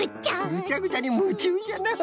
ぐちゃぐちゃにむちゅうじゃな。